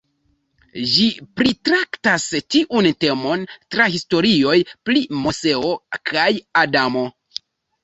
Ĝi pritraktas tiun temon tra historioj pri Moseo kaj Adamo.